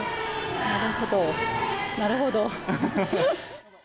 なるほど、なるほど。